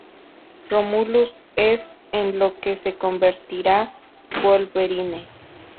Romulus es en lo que se convertirá Wolverine.